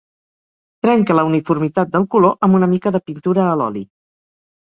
Trenca la uniformitat del color amb una mica de pintura a l'oli.